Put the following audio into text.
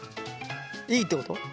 いいってこと？